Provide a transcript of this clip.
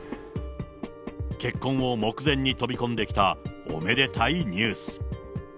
結婚を目前に飛び込んできたおめでたいニュース。